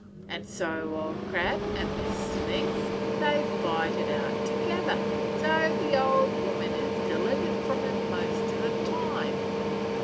An' so Old Crab and Miss Sphyxy, they fight it out together. So the old woman is delivered from him most o' the time.